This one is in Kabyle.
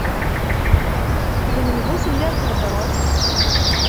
D menhu telliḍ theddreḍ?